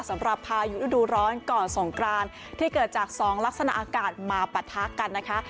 พายุฤดูร้อนก่อนสงกรานที่เกิดจากสองลักษณะอากาศมาปะทะกันนะคะ